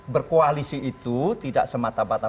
berkoalisi itu tidak semata mata